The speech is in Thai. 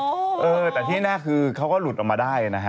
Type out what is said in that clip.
เออแต่ที่แน่คือเขาก็หลุดออกมาได้นะฮะ